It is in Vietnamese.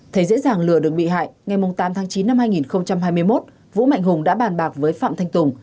thấy dễ dàng lừa được bị hại ngày tám tháng chín năm hai nghìn hai mươi một vũ mạnh hùng đã bàn bạc với phạm thanh tùng